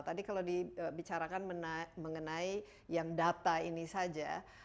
tadi kalau dibicarakan mengenai yang data ini saja